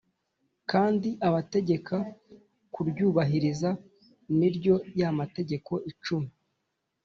kandi abategeka kuryubahiriza, ni ryo ya Mategeko Icumi;